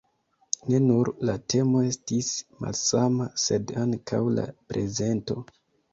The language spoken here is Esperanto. Ne nur la temo estis malsama, sed ankaŭ la prezento.